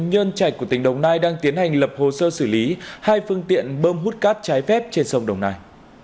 công an huyện nhân chạch của tỉnh đồng nai đang tiến hành lập hồ sơ xử lý hai phương tiện bơm hút cát trái phép trên sông đồng nai